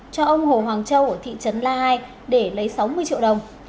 cho ông hồ hoàng châu ở thị trấn la hai để lấy sáu mươi triệu đồng